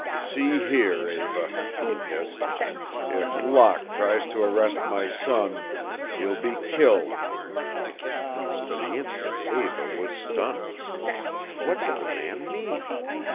"See here, Eva," he hissed, "if Locke tries to arrest my son he'll be killed." For the instant Eva was stunned. What did the man mean?